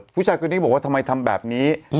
ผู้ชายคนนี้บอกว่าทำไมทำแบบนี้